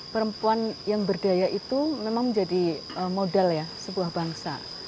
perempuan yang berdaya itu memang menjadi modal ya sebuah bangsa